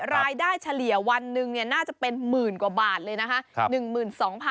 รายได้เฉลี่ยวันหนึ่งน่าจะเป็นหมื่นกว่าบาทเลยนะคะ